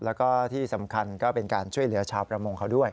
แล้วก็ที่สำคัญก็เป็นการช่วยเหลือชาวประมงเขาด้วย